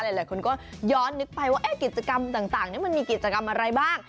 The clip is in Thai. หลายคนก็ย้อนนึกไปว่ากิจกรรมต่างนี้มันมีกิจกรรมอะไรบ้าง